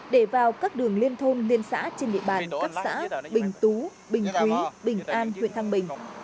để vào các đường liên thôn liên xã trên địa bàn các xã bình tú bình thú bình an huyện thăng bình